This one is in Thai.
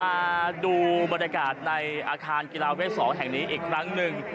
มาดูบรรยากาศในอาคารกีฬาเวท๒แห่งนี้อีกครั้งหนึ่ง